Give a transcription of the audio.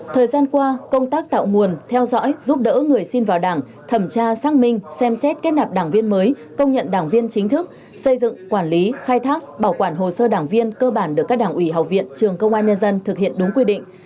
thời gian qua công tác tạo nguồn theo dõi giúp đỡ người xin vào đảng thẩm tra xác minh xem xét kết nạp đảng viên mới công nhận đảng viên chính thức xây dựng quản lý khai thác bảo quản hồ sơ đảng viên cơ bản được các đảng ủy học viện trường công an nhân dân thực hiện đúng quy định